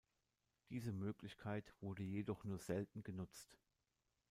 Diese Möglichkeit wurde jedoch nur selten genutzt.